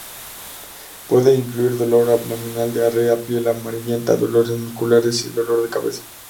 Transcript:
Pueden incluir dolor abdominal, diarrea, piel amarillenta, dolores musculares y dolor de cabeza.